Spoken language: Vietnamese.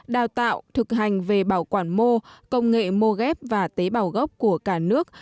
đào tạo thực hành về bảo quản mô công nghệ mô ghép và tế bào gốc của cả nước